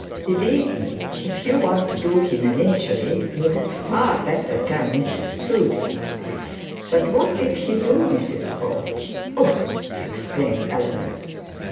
'Believe me, if you want to do him an injury, you had far better tell Mrs Proudie. But what did he do, Mrs Bold?' 'Ugh!' exclaimed Eleanor.